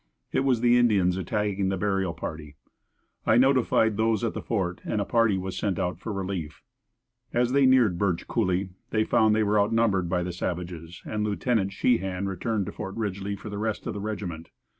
It was the Indians attacking the burial party. I notified those at the fort and a party was sent out for relief. As they neared Birch Coolie they found they were outnumbered by the savages and Lieut. Sheehan returned to Fort Ridgely for the rest of the regiment.